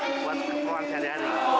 apa berhubungan beli